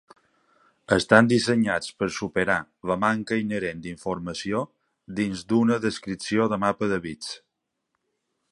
Estan dissenyats per superar la manca inherent d'informació dins d'una descripció de mapa de bits.